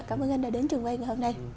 cảm ơn anh đã đến trường quay ngày hôm nay